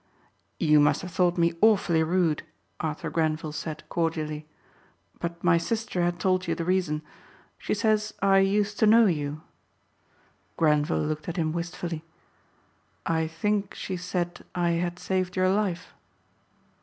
"You must have thought me awfully rude," Arthur Grenvil said cordially, "but my sister had told you the reason. She says I used to know you." Grenvil looked at him wistfully, "I think she said I had saved your life."